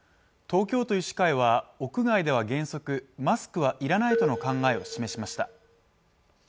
東京都医師会は、屋外では原則マスクは要らないとの考えを示しました。